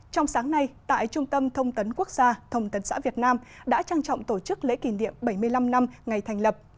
trong sáng nay tại trung tâm thông tấn quốc gia thông tấn xã việt nam đã trang trọng tổ chức lễ kỷ niệm bảy mươi năm năm ngày thành lập